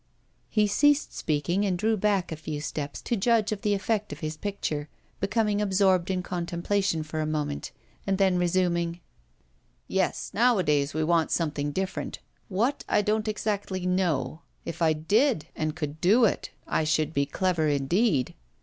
He ceased speaking and drew back a few steps to judge of the effect of his picture, becoming absorbed in contemplation for a moment, and then resuming: 'Yes, nowadays we want something different what, I don't exactly know. If I did, and could do it, I should be clever indeed.